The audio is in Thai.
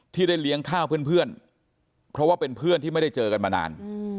ที่ได้เลี้ยงข้าวเพื่อนเพราะว่าเป็นเพื่อนที่ไม่ได้เจอกันมานาน